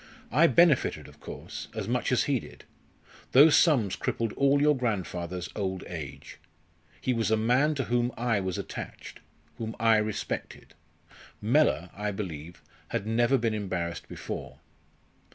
I benefited, of course, as much as he did. Those sums crippled all your grandfather's old age. He was a man to whom I was attached whom I respected. Mellor, I believe, had never been embarrassed before.